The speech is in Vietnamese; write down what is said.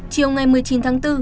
chiều ngày một mươi chín tháng bốn